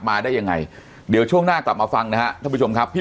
มาได้ยังไงเดี๋ยวช่วงหน้ากลับมาฟังนะฮะท่านผู้ชมครับพี่